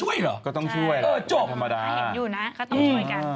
วันนี้เห็นเป็นลมเขาก็รีบวางของ